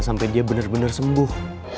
sampai dia bener bener sembuh